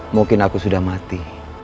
mungkin aku sudah mati